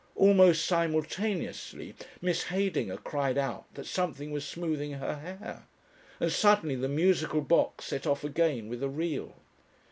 Almost simultaneously, Miss Heydinger cried out that something was smoothing her hair, and suddenly the musical box set off again with a reel.